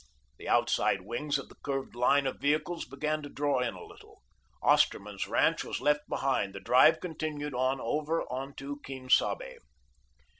The outside wings of the curved line of vehicles began to draw in a little; Osterman's ranch was left behind, the drive continued on over Quien Sabe.